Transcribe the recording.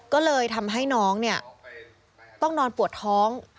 ก็เลยทำให้น้องเนี่ยต้องนอนปวดท้อง